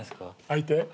相手？